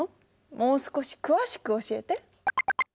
もう少し詳しく教えて！